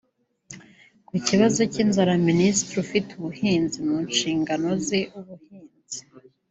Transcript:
Ku kibazo cy’inzara Minisitiri ufite ubuhinzi mu nshingano ze ubuhinzi